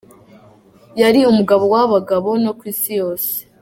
Yari umugabo w’abagabo no kw’isi yose.